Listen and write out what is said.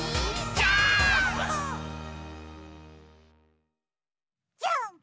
ジャンプジャーンプ！